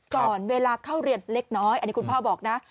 ก่อนเวลาเข้าเรียนเล็กน้อยอันนี้คุณพ่อบอกนะ